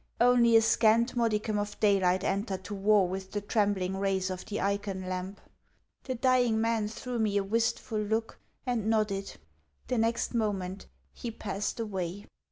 Only a scanty modicum of daylight entered to war with the trembling rays of the ikon lamp. The dying man threw me a wistful look, and nodded. The next moment he had passed away.